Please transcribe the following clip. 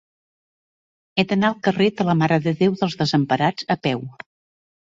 He d'anar al carrer de la Mare de Déu dels Desemparats a peu.